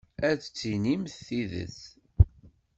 Ad d-tinimt tidet.